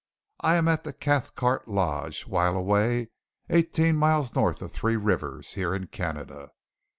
I am at the Cathcart Lodge, While a Way, eighteen miles north of Three Rivers, here in Canada.